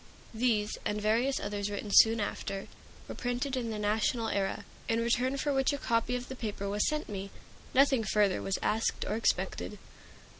These, and various others written soon after, were printed in the "National Era," in return for which a copy of the paper was sent me. Nothing further was asked or expected.